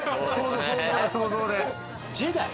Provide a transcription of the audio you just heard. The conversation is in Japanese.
ジェダイ？